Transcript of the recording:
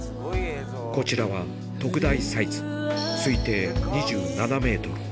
こちらは特大サイズ、推定２７メートル。